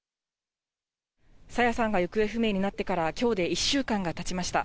朝芽さんが行方不明になってからきょうで１週間がたちました。